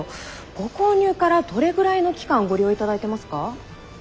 ご購入からどれぐらいの期間ご利用頂いてますか？